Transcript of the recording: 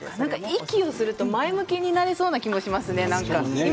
息をすると前向きになれそうな気もしますね。